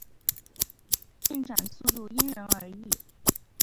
进展速度因人而异。